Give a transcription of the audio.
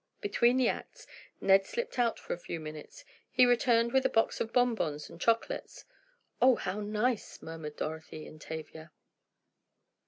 Between the acts Ned slipped out for a few minutes. He returned with a box of bonbons and chocolates. "Oh, how nice!" murmured Dorothy and Tavia.